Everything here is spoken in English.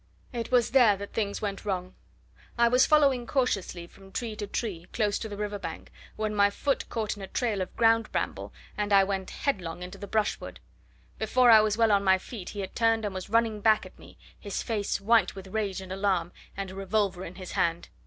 It was there that things went wrong. I was following cautiously, from tree to tree, close to the river bank, when my foot caught in a trail of ground bramble, and I went headlong into the brushwood. Before I was well on my feet, he had turned and was running back at me, his face white with rage and alarm, and a revolver in his hand.